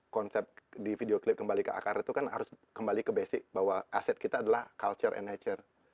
konsep di video klip kembali ke akar itu kan harus kembali ke basic bahwa aset kita adalah culture and nature